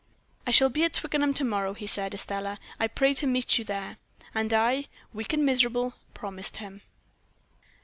"'I shall be at Twickenham to morrow,' he said; 'Estelle, I pray you to meet me there.' "And I, weak and miserable, promised him."